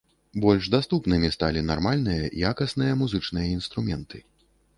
Больш даступнымі сталі нармальныя, якасныя музычныя інструменты.